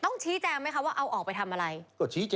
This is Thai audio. ชี้แจงไหมคะว่าเอาออกไปทำอะไร